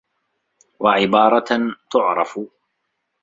وَعِبَارَةً تُعْرَفُ